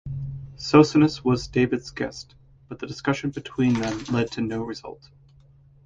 Socinus was David's guest, but the discussion between them led to no result.